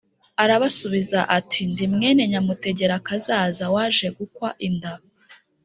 Arabasubiza, ati: "Ndi mwene Nyamutegerakazaza waje gukwa inda."